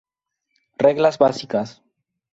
Reglas Básicas.